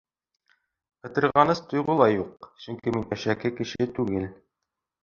Ытырғаныс тойғо ла юҡ, сөнки һин әшәке кеше түгел.